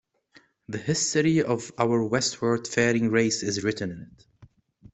The history of our westward-faring race is written in it.